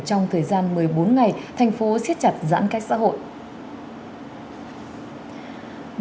trong thời gian một mươi bốn ngày thành phố siết chặt giãn cách xã hội